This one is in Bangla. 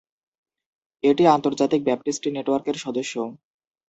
এটি আন্তর্জাতিক ব্যাপটিস্ট নেটওয়ার্কের সদস্য।